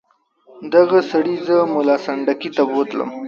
دغه سړي زه ملا سنډکي ته بوتلم.